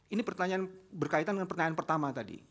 ini berkaitan dengan pertanyaan pertama tadi